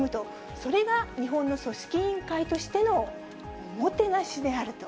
それが日本の組織委員会としてのおもてなしであると。